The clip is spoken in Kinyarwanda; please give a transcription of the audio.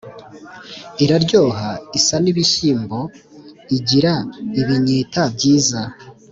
iraryoha isa n’ibishyimbo: igira ibinyita byiza!”